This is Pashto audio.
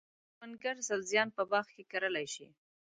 کروندګر سبزیان په باغ کې کرلای شي.